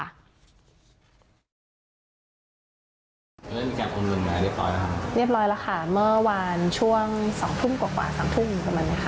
แล้วได้มีการพูดคุยกันเมื่อไหร่เรียบร้อยแล้วค่ะ